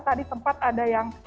tadi tempat ada yang